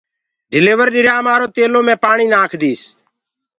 ڊليور ڏريا مآرو تيلو مي پآڻيٚ ناکِ ديٚس